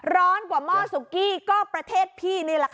ร้อนกว่าหม้อสุกี้ก็ประเทศพี่นี่แหละค่ะ